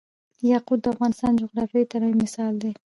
یاقوت د افغانستان د جغرافیوي تنوع مثال دی.